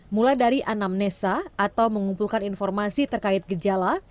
mulai dari anamnesa atau mengumpulkan informasi terkait gejala